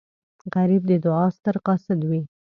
غریب د دعا ستر قاصد وي